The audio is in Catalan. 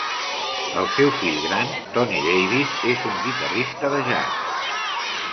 El seu fill gran, Tony Davis, és un guitarrista de jazz.